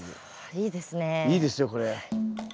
いいですよこれ。